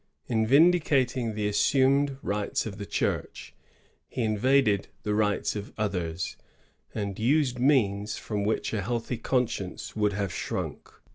In vindicating the assumed rights of the Church, he invaded the rights of others, and used means from which a healthy conscience would have shrunk.